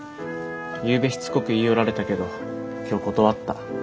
ゆうべしつこく言い寄られたけど今日断った。